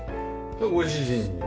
ご主人ね。